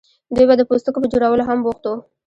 دوی به د پوستکو په جوړولو هم بوخت وو.